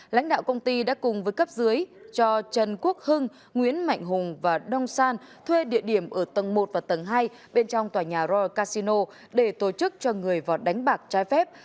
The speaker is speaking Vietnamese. lãnh đạo công ty đã cùng với cấp dưới cho trần quốc hưng nguyễn mạnh hùng và đông san thuê địa điểm ở tầng một và tầng hai bên trong tòa nhà roy casino để tổ chức cho người vào đánh bạc trái phép